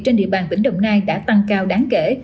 trên địa bàn tỉnh đồng nai đã tăng cao đáng kể